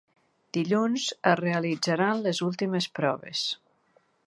Dilluns es realitzaran les últimes proves.